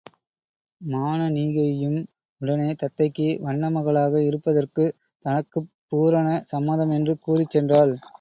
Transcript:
மானனீகையும் உடனே தத்தைக்கு வண்ணமகளாக இருப்பதற்குத் தனக்குப் பூரண சம்மதம் என்று கூறிச் சென்றாள்.